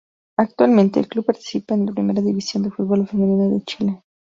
Actualmente, el club participa en la Primera División de fútbol femenino de Chile.